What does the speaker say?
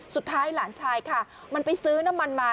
สุดท้ายหลานชายค่ะมันไปซื้อน้ำมันมา